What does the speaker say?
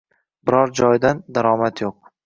Biror joydan daromad yo’q.